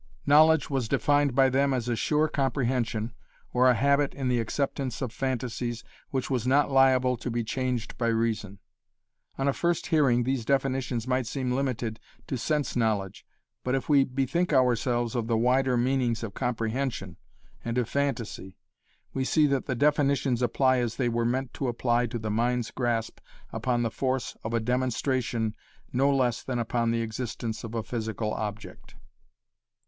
Knowledge was defined by them as a sure comprehension or a habit in the acceptance of phantasies which was not liable to be changed by reason. On a first hearing these definitions might seem limited to sense knowledge but if we bethink ourselves of the wider meanings of comprehension and of phantasy, we see that the definitions apply as they were meant to apply to the mind's grasp upon the force of a demonstration no less than upon the existence of a physical object.